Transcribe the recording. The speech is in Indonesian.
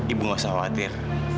ibu tidak usah khawatir